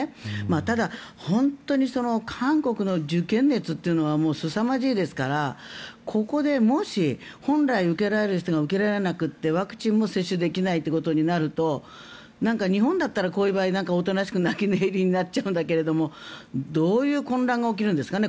ただ、本当に韓国の受験熱はすさまじいですからここでもし、本来受けられる人が受けられなくてワクチンも接種できないということになるとなんか日本だったらこういう場合おとなしく泣き寝入りになっちゃうんだけどどういう混乱が起きるんですかね。